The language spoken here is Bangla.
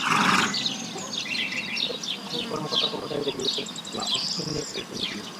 মানবসম্পদ বিভাগের অধীনে প্রতিষ্ঠানের কর্মকর্তা-কর্মচারীদের বিভিন্ন কর্মশালা, প্রশিক্ষণ নিয়ে কাজ করেন তিনি।